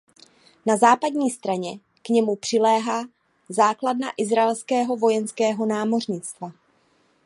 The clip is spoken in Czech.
Na západní straně k němu přiléhá základna izraelského vojenského námořnictva.